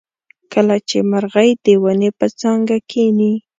کله چې مرغۍ د ونې په څانګه کیني.